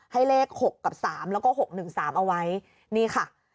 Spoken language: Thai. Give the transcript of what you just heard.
ให้เลข๖กับ๓แล้วก็๖๑๓เอาไว้นี่ค่ะ